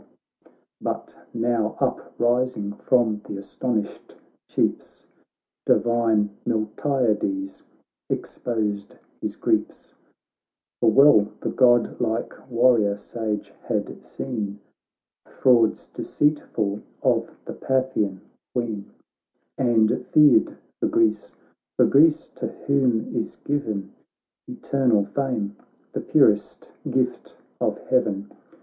THE BATTLE OF MARATHON But now uprising from th' astonished Chiefs, Divine Miltiades exposed his griefs ; For well the godlike warrior Sage had seen The frauds deceitful of the Paphian Queen, And feared for Greece — for Greece to whom is given Eternal fame, the purest gift of heaven.